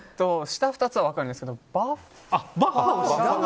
下２つは分かるんですけどバッファは。